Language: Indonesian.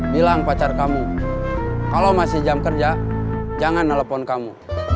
bilang pacar kamu kalau masih jam kerja jangan nelfon kamu